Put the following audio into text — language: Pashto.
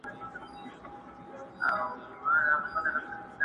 o بې گودره مه گډېږه٫.